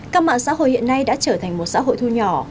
các mạng xã hội hiện nay đã trở thành một xã hội thu nhỏ